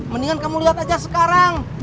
mendingan kamu lihat aja sekarang